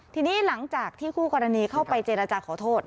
ทีนี้หลังจากที่คู่กรณีเข้าไปเจรจาขอโทษ